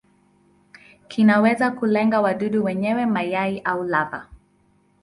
Kinaweza kulenga wadudu wenyewe, mayai au lava.